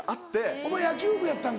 お前野球部やったんか。